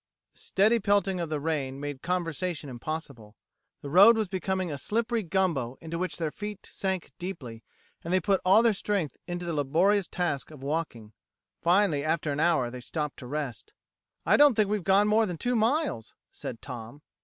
The steady pelting of the rain made conversation impossible. The road was becoming a slippery gumbo into which their feet sank deeply, and they put all their strength into the laborious task of walking. Finally, after an hour, they stopped to rest. "I don't think we've gone more than two miles," said Tom.